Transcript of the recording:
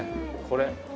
これ。